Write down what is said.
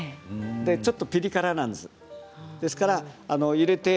ちょっとピリ辛なんです。